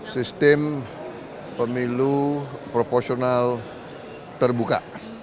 sistem pemilu proporsional terbuka